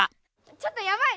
ちょっとやばい！